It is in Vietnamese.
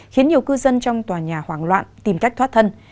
khiến nhiều cư dân trong tòa nhà hoảng loạn tìm cách thoát thân